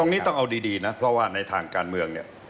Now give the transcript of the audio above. ต้องเอาดีนะเพราะว่าในทางการเมืองเนี่ย